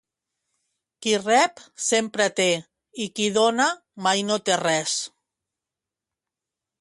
Qui rep sempre té i qui dóna mai no té res